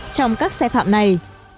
trong các xe phạm này